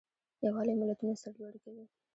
یووالی ملتونه سرلوړي کوي.